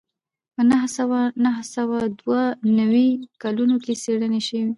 په نهه سوه نهه سوه دوه نوي کلونو کې څېړنې شوې